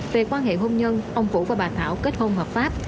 về quan hệ hôn nhân ông vũ và bà thảo kết hôn hợp pháp